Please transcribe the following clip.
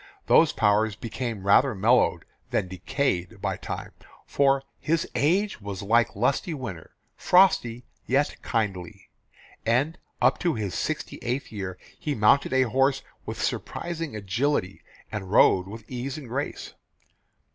Those powers became rather mellowed than decayed by time, for "his age was like lusty winter, frosty yet kindly," and up to his sixty eighth year he mounted a horse with surprising agility and rode with ease and grace.